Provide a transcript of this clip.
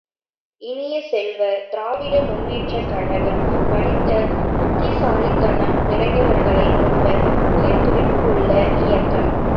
இனிய செல்வ, திராவிட முன்னேற்றக் கழகம் படித்த புத்திசாலித்தனம் நிறைந்தவர்களைக் கொண்ட உயிர்த்துடிப்புள்ள இயக்கம்.